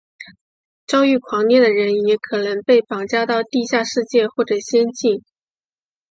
遭遇狂猎的人也可能被绑架到地下世界或者仙境。